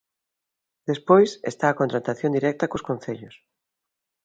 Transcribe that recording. Despois, está a contratación directa cos concellos.